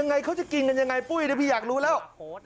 ยังไงเขาจะกินกันยังไงปุ้ยพี่อยากรู้แล้ว